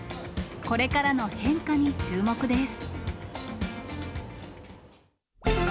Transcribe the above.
これからの変化に注目です。